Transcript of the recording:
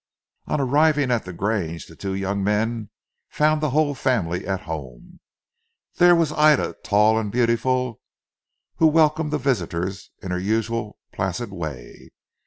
On arriving at the Grange, the two young men, found the whole family at home. There was Ida tall and beautiful who welcomed the visitors in her usual placid way.